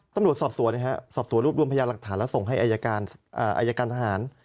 ตำรวจสอบสวนสอบสวนรูปรวมพยานหลักฐานแล้วส่งให้อายการทหาร